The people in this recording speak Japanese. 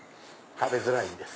食べづらいんです。